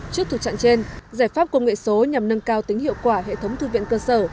trước thực trạng trên giải pháp công nghệ số nhằm nâng cao tính hiệu quả hệ thống thư viện cơ sở